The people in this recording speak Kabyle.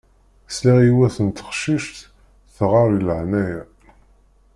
Sliɣ i yiwet n teqcict teɣɣar i leεnaya.